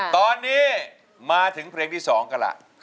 ตอนนี้มาถึงเพลงที่๒กันล่ะ